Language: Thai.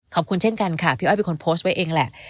ขอบคุณเช่นกันค่ะพี่อ้อยเป็นคนโพสต์ไว้เองแหละ